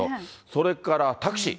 それからタクシー。